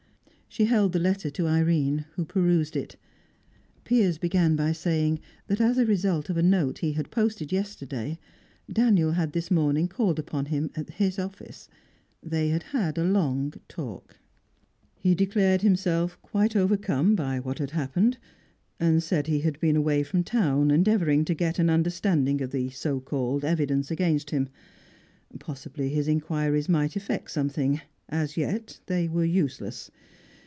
She held the letter to Irene, who perused it. Piers began by saying that as result of a note he had posted yesterday, Daniel had this morning called upon him at his office. They had had a long talk. "He declared himself quite overcome by what had happened, and said he had been away from town endeavouring to get at an understanding of the so called evidence against him. Possibly his inquiries might effect something; as yet they were useless.